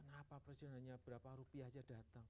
kenapa perjalanannya berapa rupiah saja datang